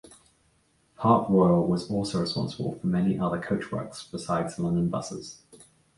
Park Royal was also responsible for many other coachworks besides London buses.